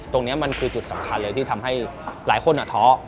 ตรงนี้มันคือจุดสำคัญเลยที่ทำให้หลายคนท้อ